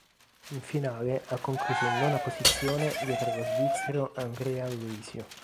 In finale ha concluso in nona posizione dietro allo svizzero Andrea Aloisio.